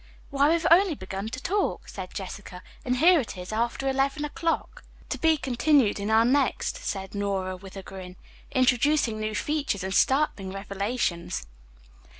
"Why, we've only begun to talk," said Jessica, "and here it is after eleven o'clock." "To be continued in our next," said Nora with a grin. "Introducing new features and startling revelations."